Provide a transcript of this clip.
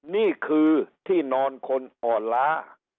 นี่คือที่นอนคนอ่อนล้า